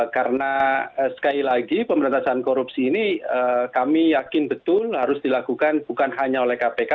karena sekali lagi pemberantasan korupsi ini kami yakin betul harus dilakukan bukan hanya oleh kpk